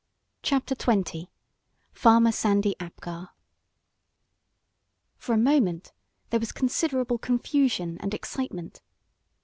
CHAPTER XX FARMER SANDY APGAR For a moment there was considerable confusion and excitement.